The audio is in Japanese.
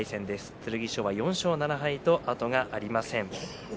剣翔は４勝７敗と後がありません。